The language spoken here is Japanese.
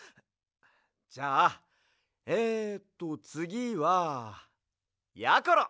じゃあえっとつぎはやころ！